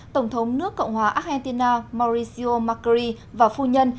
tổng thống nước cộng hòa argentina mauricio macri và phu nhân